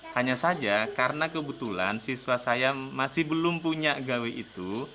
hanya saja karena kebetulan siswa saya masih belum punya gawe itu